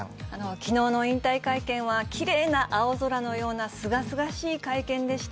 きのうの引退会見は、きれいな青空のような、すがすがしい会見でした。